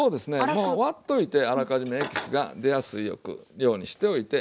もう割っといてあらかじめエキスが出やすいようにしておいて。